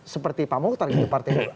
seperti pak mokhtar itu partai buruh